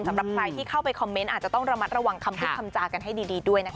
สำหรับใครที่เข้าไปคอมเมนต์อาจจะต้องระมัดระวังคำพูดคำจากันให้ดีด้วยนะคะ